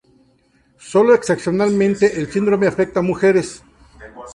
Solo excepcionalmente el síndrome afecta a mujeres.